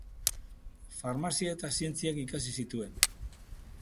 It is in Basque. Farmazia eta zientziak ikasi zituen.